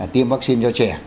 tiêm vaccine cho trẻ